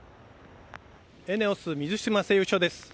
ＥＮＥＯＳ水島製油所です。